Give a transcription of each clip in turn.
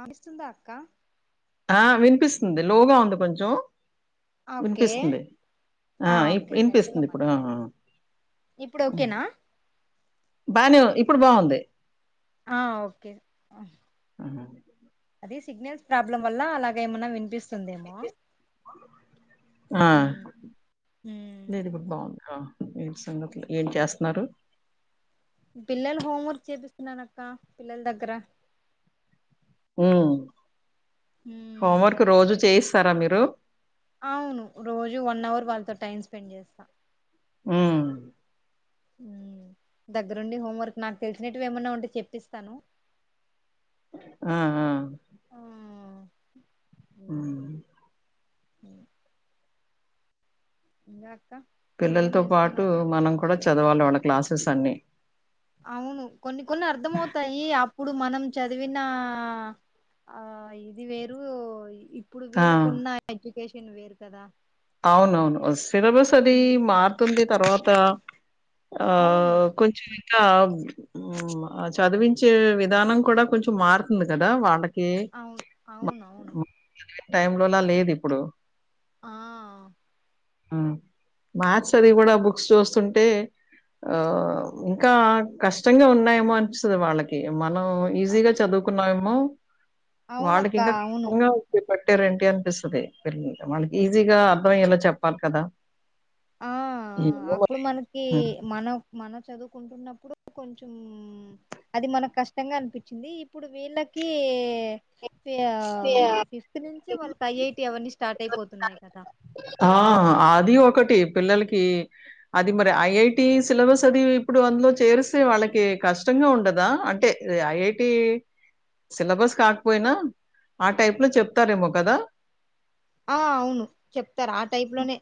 ఆపిస్తుందా అక్క కనిపిస్తుంది లోగా ఉంది కొంచెం ఓకే వినిపిస్తుంది ఆ విని ఓకే గట్టిగా వినిపిస్తుంది ఇప్పుడు మాట్లాడు ఇప్పుడు హ్మ్. ఓకేనా బానే ఉందిఇప్పుడు బాగుంది ఆ ఓకే ఆహ అది సిగ్నల్స్ ప్రాబ్లం వల్ల అలాగ ఏమన్నా వినిపిస్తుందేమో ఆ ఉమ్ ఉమ్ ేది గుుడ్ బాగుంది ఏ సంగతులు ఏం చేస్తున్నారు పిల్లలు హోం వర్క్ చేపిస్తున్నాను అక్క పిల్లల దగ్గర ఉమ్.. ఉమ్ హోంవర్క్ రోజు చేయిస్తారా మీరు అవును రోజు వన్ అవర్ వాళ్ళతో టైం స్పెండ్ చేస్తా మ్ దగ్గరుండి హోంవర్క్ నాకు తెలిసినట్వి ఏమన్నా ఉంటే చెప్పిస్తాను ఆ ఆ ఆ అ సరే ఇకా పిల్లలతో పాటు మనం కూడా చదవాలి వాళ్ళ క్లాసెస్ అన్ని అవును కొన్ని కొన్ని అర్ధం అవుతాయి అప ఇప్పుడు మనం చదివిన అ ఆ ఇది వేరు ఇప్పుడు ఆ! వీళ్ళలకున్న ఎడ్యుకేషన్ వేరు కదా అవునవును సిలబస్ అది ఉమ్, మారుతుంది తర్వాత అ ఆ అవును కొంచెం ఇంకా చదివించే విధానం కూడా కొంచెం మారుతుంది కదా వాళ్ళకి అవును అవునవును టైమ లోలా లేదు ఇప్పుడు ఆ ఆ... మ్యాథ్స్ చదవి కూడా బుక్స్ చూస్తుంటే అంటే ఆ ఇంకా కష్టంగా ఉన్నాయేమో ఆనిపిస్తాది వాళ్ళకి మనం అ- ఈజీగా చదువుకున్నామో వాళ్ళకి అవునక్క ఇంకా అవును కష్టంగా బట్టిరంటి అనిపిస్తాది పెరిగి వాళ్ళకి ఈజీగా అర్థమయ్యేలా చెప్పాలి కదా ఆ ఏమో మరి. అప్పుడు మనకి మన మన చదువుకుంటున్నప్పుడు కొంచెం అది మనకు కష్టంగా అనిపించింది ఇప్పుడు వీళ్ళకి ఏ ఆ.. ఫిఫ్త్ నుంచే వాళ్ళకి ఐఐటి అవన్నీ స్టార్ట్ అయిపోతున్నాయి హ్మ్. కదా ఆ అది ఒకటి పిల్లలకి అది మరి ఐఐటి సిలబస్ అది ఇప్పుడు అందులో చేరిస్తే వాళ్ళకి కష్టం ఉండదా అంటే ఐఐటి సిలబస్ కాకపోయినా ఆ టైప్ లో చెప్తారేమో కదా ఆ అవును చెప్తారు ఆ టైప్ లోనే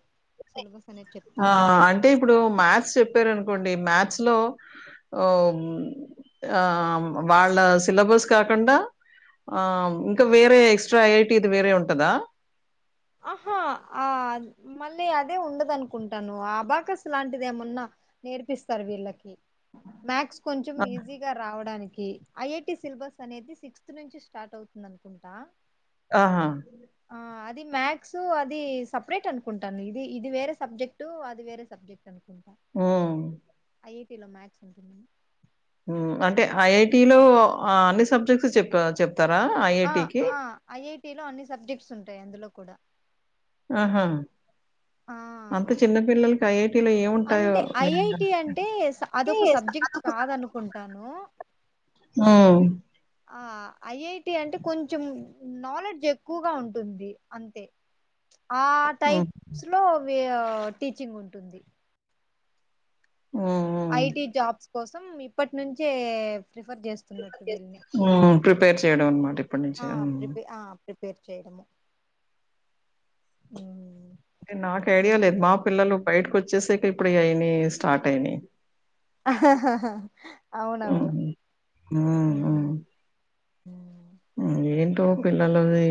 సిలబస్ అనేది చెప్తూ ఆ ఉంటారు అంటే ఇప్పుడు మ్యాథ్స్ చెప్పార అనుకోండి అంటే మ్యాథ్స్ లో ఓయ్ ఆ వాళ్ళ సిలబస్ కాకుండా ఆ ఇంకా వేరే ఎక్స్ట్రా ఐఐటిది వేరే ఉంటదా ఆహా ఆ మళ్ళీ అదే ఉండదనుకుంటాను ఆ అబాకస్ లాంటిది ఏమన్నా నేర్పిస్తారు వీళ్ళకి మ్యాథ్స్ కొంచెం ఆహ్, ఈజీగా రావడానికి ఐఐ టి సిలబస్ అనేది సిక్స్త్ నుంచి స్టార్ట్ అవుతుందనుకుంటా ఆహ ఇది మ్యాథ్స్ అది సపరేట్ అనుకుంటాను ఇది ఇది వేరే సబ్జెక్టు అది వేరే సబ్జెక్ట్ అనుకుం మ్ ఐఐటీలో మాథ్స్ ఉంటుంద మ్ అంటే ఐఐటిలో అన్ని సబ్జెక్ట్స్ చెప్ప చెప్ ఆ ఆ ఐఐటిలో అన్ని సబ్జెక్ట్స్ ఉంటాయి అందులో కూడా ఆహ ఆ ఆ ఐఐటీలో ఏముంటాయో అంటే నిజంగా. ఐఐటి అంటే అంటే అదొక స సబ్జెక్ట్ కాద్ అన్ నుకుంటాను మ్ ఆ ఐఐటి అంటే కొంచెం నాలెడ్జ్ ఎక్కువగా ఉంటుంది అంతే ఆ హ్మ్. టైప్స్లో వే టీచింగుంటుంది. మ్ ఐటి జాబ్స్ కోసం ఇప్పట్నుంచే ప్రిఫర్ చేస్తున్నట్టు వర్క్ వీళ్ళని చేస్తున్నాను. హ్మ్. ప్రిపేర్ చేయడం అన్నమాట ఇప్పటి నుంచే. ఆ హ్మ్. ప్రిపే ఆ ప్రిపేర్ చేయడము ఇంకా నాక్ ఐడియా లేద్ ఇంకేంటి మా పిల్లలు బయటకు వచ్చేసేకి ఇప్పుడు ఆయన్ని స్టార్ట్ అయినయి అవునవును హ్మ్. మ్ మ్ ఏంటో పిల్లలది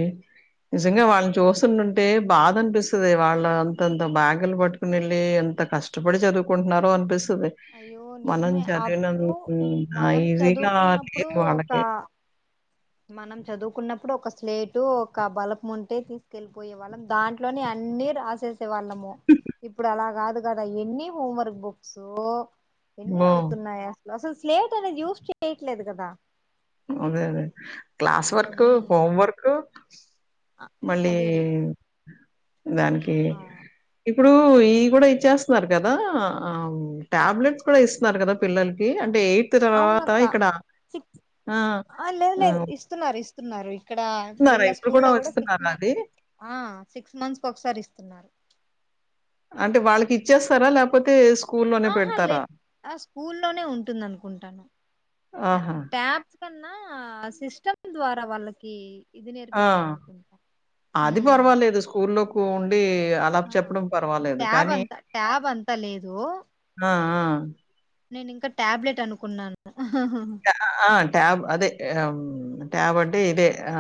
నిజంగా వాళ్ళని చూస్తుంటుంటే బాధనిపిస్తది వాళ్ళ అంతంత బ్యాగులు పట్టుకుని ఎళ్ళి ఎం ఎంత కష్టపడి చదువుకుంటున్నారో అనిపిస్ స్తది అయ్యో మనం నిజమే చదివిన అప్పుడు మనం ఈజీగా చదువుకున్నప్పుడు లేదు ఒక వాళ్ళకి మనం చదువుకున్నప్పుడు ఒక స్లేటు ఒక బలపం ఉంటే తీస్కెళ్ళిపోయే వాళ్ళం దాంట్లోనే అన్నీ రాసేస్ కునే వాళ్ళము ఇప్పుడు అలా కాదు కదా ఎన్ని హోమ్ వర్క్ బుక్స్ ఓ ఎన్ని అవుతున్నాయి అసలు అసల్ స్లేట్ అనేది యూస్ చేయట్లేదు కదా అదే అదే క్లాస్ వర్క్, హోమ్వర్క్ ఆ మళ్ళీ అదేది దానికి ఆ ఆ ఇప్పుడూ ఈ కూడా ఇ ఇచ్చేస్తున్నారు కదా టాబ్లెట్స్ కూడా ఇస్తున్నారు కదా పిల్లలకి అంటే తర్వాత అవునక్క ఇక్కడ సిక్ ఆ లేదు లేదు ఇస్తున్నారు ఇస్తున్నారు ఇక్కడా ఇస్తున్నారా వీళ్ళ ఇప్పుడు కూడా స్కూల్లో గుడా సిక్స్ ఇస్తున్నారా మంత్ అది ఆ సిక్స్ మంత్స్ కోసారి ఇస్తున్నారు. అంటే వాళ్ళకి ఇచ్చేస్తారా లేకపోతే స్కూల్లోనే ఆహా లే పెడతారా? ఆ స్కూల్లోనే ఉంటుందనుకుంటాను. ఆహా! ట్యాబ్స్ కన్నా సిస్టమ్ ద్వారా వాళ్ళకి ఇది ఆ నేర్పిస్తారనుకుంటా ఆది హ్మ్ పర్వాలేదు స్కూల్లోకు ఉండి అలా ఆ చెప్పడం పర్వాలేదు ట్యాబ్ కానీ అంతా ట్యాబ్ అంతా లేదు ఆ ఆ నేనింకా టాబ్లెట్ అనుకున్నాను. ఆ ట్యాబ్ అదే ట్యాబ్ అంటే ఇదే ఆ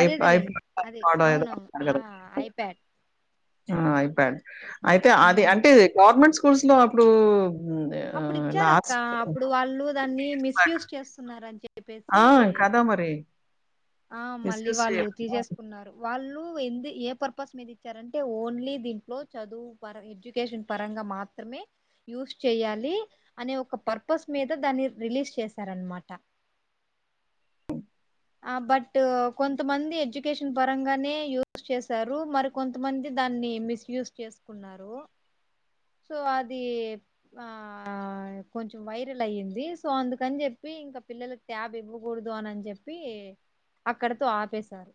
అదే అదే లేండి అదే అవునవును అంటారు ఆ కదా! ఐప్యాడ్ ఆ ఐప్యాడ్ అయితే అది హ్మ్ అంటే గవర్నమెంట్ స్కూల్స్లో అప్పుడు హ్మ్, ఆహ్, అప్పుడిచ్చారక్క లాస్ట్ అప్పుడు వాళ్ళు దాన్ని మిస్యూస్ చేస్తున్నారన్ చెప్ ఆ కదా మరి ఆ మళ్ళీ మిస్‌యూజ్ వాళ్ళు చేయకుండా తీసేస్కున్నారు వాళ్ళు ఎంది ఏ పర్పస్ మీద ఇచ్చారంటే ఓన్లీ దీంట్లో చదువు పర ఎడ్యుకేషన్ పరంగా మాత్రమే యూస్ చేయాలి అనే ఒక పర్పస్ మీద దాన్ని రిలీజ్ చేసారణమాట ఆ బట్ కొంతమంది ఎడ్యుకేషన్ పరంగానే యూస్ చేశారు మరి కొంతమంది దాన్ని మిస్జ్ చేసుకున్నారు సో అది ఆ కొంచెం వైరల్ అయ్యింది సో అందుకని చెప్పి ఇంకా పిల్లలలకు ట్యాబ్ ఇవ్వకూడదు అని చెప్పి అక్కడతో ఆపేశారు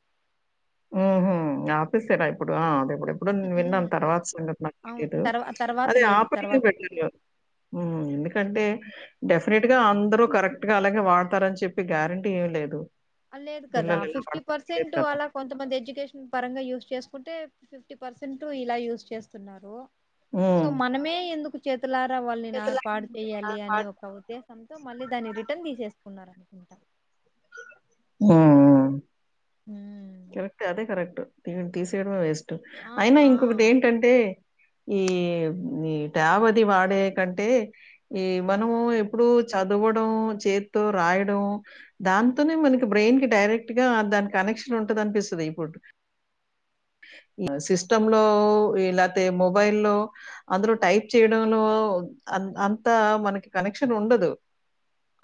ఉహు ఆపేసారా ఇప్పుడు ఆ అదే నేను ఎప్పుడు విన్నాను తర్వాత సంగతి నాకు అవును తెలియదు తర్వా తర్వాత అదే లేదు ఆపలికి తర్వాత అసలు పెట్టా ఎందుకంటే డెఫినెట్ గా అందరూ కరెక్ట్ గా అలాగే వాడతారని చెప్పి గ్యారెంటీ ఏం లేదు ఆ లేదు కదా పిల్లలు ఎలా ఫిఫ్టీ వాడతారో తెలియదు పర్సెంట్ కదా! అలా కొంత మంది ఎజు ఎడ్యుకేషన్ పరంగా యూస్ చేసుకుంటే ఫిఫ్టీ పర్సెంట్ ఇలా యూస్ చేస్తున్నారు సో హ్మ్. మనమే ఎందుకు తులారా వాళ్ళని నా చేతుల పాడు చేయాలి అనే ఒక ఉద్దేశంతో మళ్ళీ దాన్ని రిటర్న్ తీసేసుకున్నారండి ఇంటా ఆ ఉమ్ కరెక్ట్ అదే కరెక్ట్ ఈమని తీసేయడామే వెస్ట్ ఆ అయినా ఆ ఇంకొకటి ఏంటంటే ఈ ఈ ట్యాబు వాడే కంటే ఈ మనము ఎప్పుడు చదవడం చేతితో రాయడం దాంతోనే మనకి బ్రెయిన్ కి డైరెక్ట్ గా దాని కనెక్షన్ ఉంటంది అనిపిస్తుంది ఇప్పుడు సిస్టమ్ లో లేపోతే మొబైల్ లో అందులో టైప్ చేయడంలో అ అంతా మనకి కనెక్షన్ ఉండదు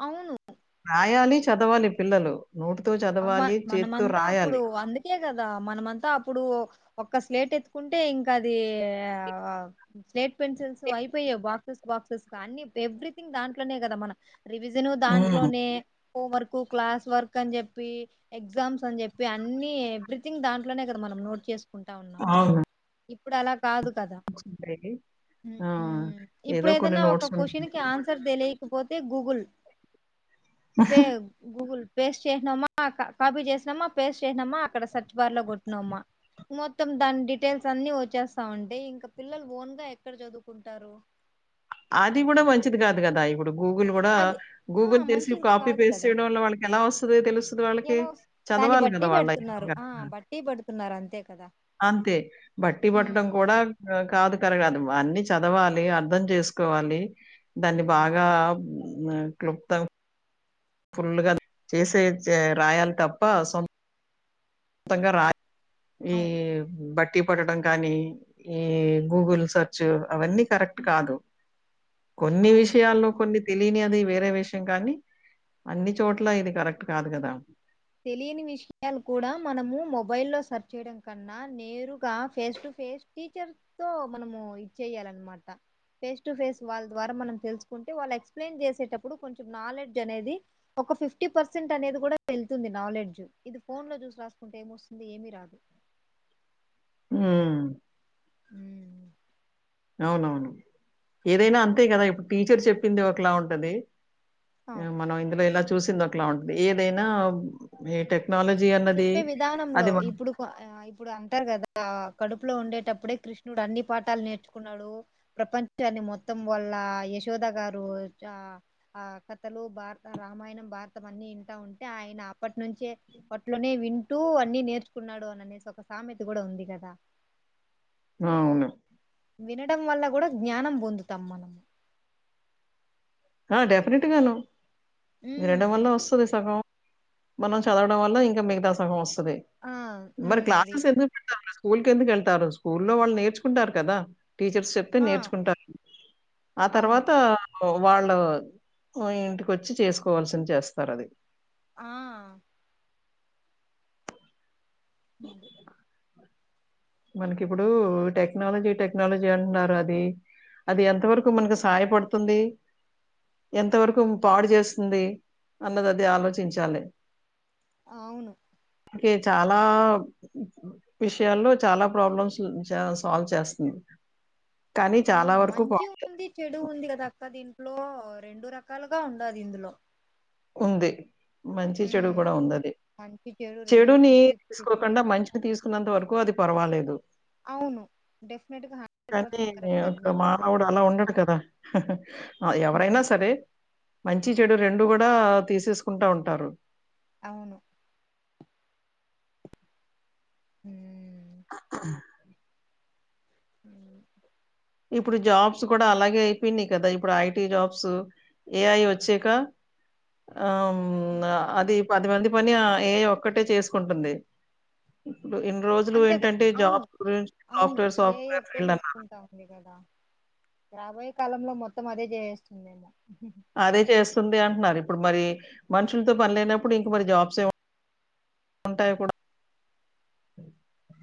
అవును రాయాలి చదవాలి పిల్లలు నోటితో అమ్మ చదవాలి చేతితో మనమంతా అప్పుడు రాయాలి అందుకే కదా మనమంతా అప్పుడు ఒక్క స్లేట్ ఎత్తుకుంటే ఇంకా అది స్లేట్ పెన్సిల్స్ అయిపపోయేవ్ బాక్ [unintelligible] బాక్సెస్ అ ఎవ్రీథింగ్ దాంట్లోనే కదా మన రివిజన్ ఉమ్ దాంట్లోనే హోం వర్క్ క్లాస్ వర్క్ అని చెప్ ప్పి ఎగ్జామ్స్ అని చెప్పి అన్ని ఎవ్రీథింగ్ దాంట్లోనే కదా మనం నోట్ చేస్ కుంటా ఉన్నాము అవును. ఇప్పుడు అలా కాదు కదా ఉంటాయి. ఆ! ఇప్పుడు ఏదో కొన్ని ఏదన్నా ఒక నోట్స్ క్యూషన్ ఉంటాయి. కి ఆన్సర్ తెలియక పోతే గూగుల్ పే గూగుల్ పేస్ట్ చేసినామా ఆ కాపీ చేసినమా పేస్ట్ చేసినమా అక్కడ సెర్చ్ బార్ లో కొట్టినమా మొత్తం దాని డిటేల్స్ అన్ని వచేస్తావుంటాయి ఇంకా పిల్లలు ఓన్ గా ఎక్కడ చదువుకుంటారు అది కూడా మంచిది కాదు కదా ఇపుడ్ ఇప్పుడు గూగుల్ కూడా అది ఆ గూగుల్ తెసి మంచిది కాపీ కాదు పేస్ట్ కదా చేయడం లో వాళ్ళకి ఎలా వస్తుంది. తెలుస్తుంది వాళ్ళకి ఎలా వస్ దాన్ని చదవాలి బట్టి గదా! వాళ్ళయితే పెడుతున్నారు ఆ గనక. బట్టి బడుతున్నారు అంతే కదా అంతే బట్టి పట్టడం ఉమ్ కూడా కాదు కరగాదు అన్ని చదవాలి అర్థం చేసుకోవాలి దాన్ని బాగా మ్ క్లుప్త ఫుల్ గా చేసేచే రాయాలి తప్ప సొ మొత్తంగా రా ఈ అవును బట్టి పట్టడం కానీ ఈ గూగుల్ సర్చ్ అవన్నీ కరెక్ట్ కాదు కొన్ని అవును విషయాల్లో కొన్ని తెలియని అది వేరే విషయం కానీ అన్ని చోట్ల ఇది కరెక్ట్ కాదు కదా తెలియని విషయాలు కూడా మనము మొబై లో సర్చ్ చేయడం కన్నా నేరుగా ఫేస్టు ఫేస్ట్ టీచర్ తో మనము ఇది చెయాలన్నమాట ఫేస్ టు ఫేస్ వాళ్ళ ద్వారా మనం తెలుసుకుంటే వాళ్ళ ఎక్సప్లన్ చేసేటప్పుడు కొంచెం నాలెడ్జ్ అనేది ఒక ఫిఫ్టీ పర్సెంట్ అనేది కూడా వెల్ తుంది నాలెడ్జ్ ఇది ఫోన్ లో చూసి రాసుకుంటే ఏమొస్తుంది ఏమీ రాదు ఉమ్ ఉమ్ అవునవును ఏదైనా అంతే గదా ఇప్పుడు టీచర్ చెప్పింది ఒకలా ఉంటది ఆ మనం ఇందులో ఇలా చూసింది ఒకలా ఉంటది ఏదైనా ఏ టైప్ చెప్పే విధానంలో ఇప్పుడు ఇప్పుడు అంటారు గదా కడుపులో ఉండే పుట్టప్పుడే కృష్ణుడు అన్ని పాఠాలు నేర్చుకున్నాడు ప్రపంచాన్ని మొత్తం వాళ్ళ యశోద గారు ఆ కథలు భారత రామాయణం భారతం అన్ని వింటా ఉంటే ఆయన అప్పట్ నుంచే అట్లోనే వింటూ అన్నీ నేర్చుకున్నాడు అని అనేసి ఒక సామెత గూడా ఉంది గదా అవును వినడం వల్ల కూడా జ్ఞానం బొందుతాం మనం ఆ డెఫినెట్ గాను ఉమ్ వినడం వల్ల వస్తది సగం మనం చదవడం వల్ల ఇంకా మిగతా సగం వస్తది ఆ మరి ఉమ్ అది క్లాసెస్ ఎందుకు పెడతా ఉన్నారు స్కూల్కి ఎందుకు యెళ్తారు స్కూల్లో వాళ్ళు నేర్చుకుంటారు కదా టీచర్స్ చెప్తే ఆ నేర్చుకుంటారు ఆ అవును తర్వాత వాళ్ళు ఇంటికొచ్చి చేసుకోవాల్సింది చేస్తారు అది ఆ అది [inaudible] మనకిప్పుడు టెక్నాలజీ టెక్నాలజీ అంటున్నారు అది అది ఎంత వరకు మనకి సహాయపడుతుంది ఎంతవరకు పాడు జేస్తుంది అన్నదది ఆలోచించాలి అవును ఓకే చాలా విషయాల్లో చాలా ప్రాబ్లమ్స్ సాల్వ్ చేస్తుంది కానీ ఆ చాలా వరకు మంచి పాడు చే- ఉంది చెడు ఉంది గదా ప్రతి ఇంట్లో రెండు రకాలుగా ఉండాలి ఇందులో ఉంది మంచి చెడు ఉమ్ గూడా ఉండాలి మంచి చెడు రెండు చెడుని ఫిఫ్టీ ఫిఫ్టీ తీసుకోకుండా మంచిని తీసు కున్నంత వరకు అది పర్వాలేదు అవును డెఫినెట్ గా హండ్రెడ్ కానీ పర్సెంట్ కరెక్ట్ అది ఒక మీరు చెప్పేది మానవుడు అలా ఉండడు కదా ఎవరైనా సరే మంచి చెడు రెండు గూడా తీసేసుకుంటా ఉంటారు అవును ఉమ్ [inaudible] [inaudible] ఇప్పుడు జాబ్స్ కూడా అలాగే అయిపోయినయి కదా ఇప్పుడు ఐటీ జాబ్స్ ఏఐ వచ్చాక [inaudible] ఆ ఆ, అది పది మంది పని ఆ ఏఐ ఒక్కటే చేసుకుంటుంది ఇప్పుడు ఇన్ని రోజులు అంతేగా ఏంటంటే అవును జాబ్ అవును సాఫ్ట్వేర్ ఏఐ సాఫ్ట్వేర్ ఒకటే ఫీల్డ్ అన్నారు తీసుకుంటా ఉంది గదా రాబోయే కాలంలో మొత్తం అదే చేసేస్తుందేమో అదే చేస్తుంది అంటున్నారు ఇప్పుడు ఇప్పుడు మరి మనుషులతో పని లేనప్పుడు ఇంక మరి జాబ్స్ ఏం ఉంటాయో మరీ [inaudible]